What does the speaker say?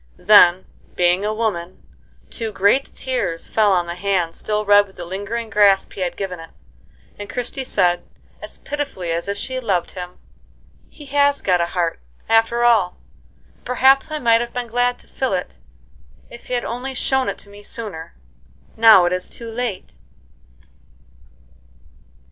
Then, being a woman, two great tears fell on the hand still red with the lingering grasp he had given it, and Christie said, as pitifully as if she loved him: "He has got a heart, after all, and perhaps I might have been glad to fill it if he had only shown it to me sooner. Now it is too late."